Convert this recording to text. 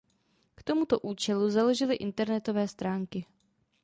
K tomuto účelu založili internetové stránky.